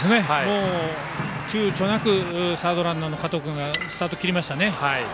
ちゅうちょなくサードランナーの加藤君がスタートを切りましたね。